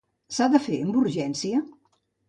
S'ha de fer amb urgència?